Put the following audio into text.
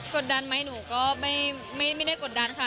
กดดันไหมหนูก็ไม่ได้กดดันค่ะ